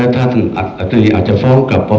ท่านอธิอาจมาฟ้องกลับมาประฟัง